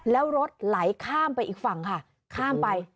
แล้วรถไหลข้ามไปอีกฝั่งค่ะข้ามไป